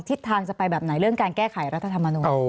ทิศทางจะไปแบบไหนเรื่องการแก้ไขรัฐธรรมนูล